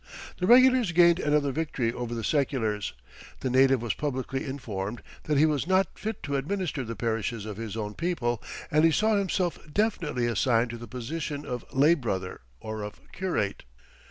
The regulars gained another victory over the seculars; the native was publicly informed that he was not fit to administer the parishes of his own people, and he saw himself definitely assigned to the position of lay brother or of curate.